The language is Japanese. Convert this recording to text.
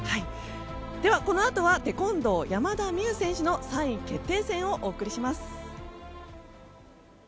このあとはテコンドー山田美諭選手の３位決定戦をお送りします。